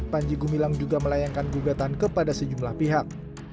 panji gumilang juga melayangkan gugatan kepada sejumlah pihak